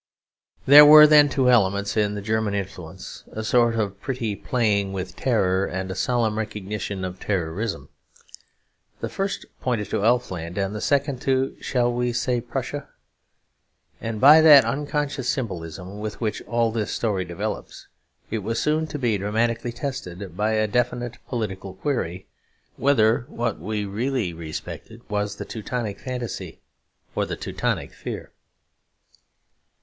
There were, then, two elements in the German influence; a sort of pretty playing with terror and a solemn recognition of terrorism. The first pointed to elfland, and the second to shall we say, Prussia. And by that unconscious symbolism with which all this story develops, it was soon to be dramatically tested, by a definite political query, whether what we really respected was the Teutonic fantasy or the Teutonic fear.